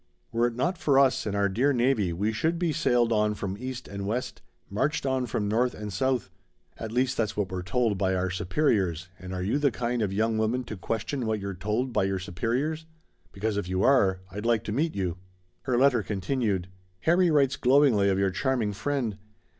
Were it not for us and our dear navy we should be sailed on from East and West, marched on from North and South. At least that's what we're told by our superiors, and are you the kind of young woman to question what you're told by your superiors? Because if you are! I'd like to meet you." Her letter continued: "Harry writes glowingly of your charming friend.